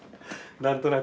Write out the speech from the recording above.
何となく。